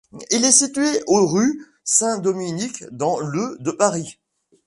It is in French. Il est situé au rue Saint-Dominique, dans le de Paris.